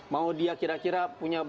mau dia kira kira punya